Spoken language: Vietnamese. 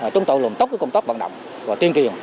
chúng tôi luôn tốt cái công tác vận động và tuyên truyền